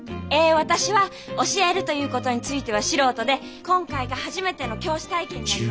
私は教えるということについては素人で今回が初めての教師体験になります。